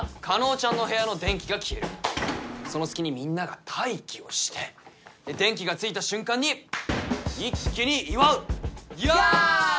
叶ちゃんの部屋の電気が消えるその隙にみんなが待機をして電気がついた瞬間に一気に祝うヤー！